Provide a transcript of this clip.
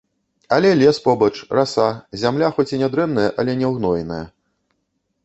Але лес побач, раса, зямля хоць і нядрэнная, але няўгноеная.